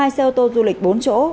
hai xe ô tô du lịch bốn chỗ